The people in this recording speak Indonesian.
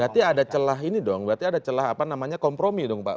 berarti ada celah ini dong berarti ada celah apa namanya kompromi dong pak